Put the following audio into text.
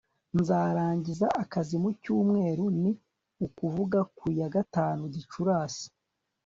nzarangiza akazi mu cyumweru, ni ukuvuga ku ya gatanu gicurasi